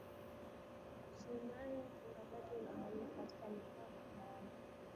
ushinani wa utangazaji unafanyika katika mikoa mbalimbali